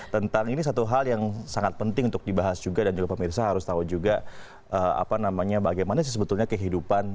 tentang ini satu hal yang sangat penting untuk dibahas juga dan juga pemirsa harus tahu juga apa namanya bagaimana sih sebetulnya kehidupan